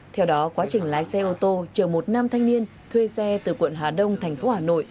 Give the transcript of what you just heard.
theo đó quá trình lái xe ô tô chờ một nam thanh niên thuê xe từ quận hà đông thành phố hà nội